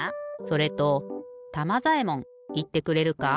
それとたまざえもんいってくれるか？